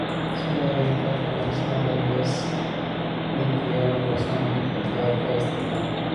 CIA का खुलासाः ISIS ने किया रासायनिक हथियारों का इस्तेमाल